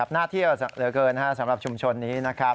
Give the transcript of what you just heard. หน้าเที่ยวเหลือเกินสำหรับชุมชนนี้